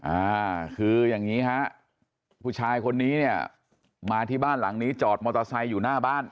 อ่าคืออย่างนี้ฮะผู้ชายคนนี้เนี่ยมาที่บ้านหลังนี้จอดมอเตอร์ไซค์อยู่หน้าบ้าน